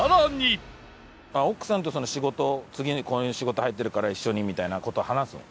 奥さんとその仕事次にこういう仕事入ってるから一緒にみたいな事は話すの？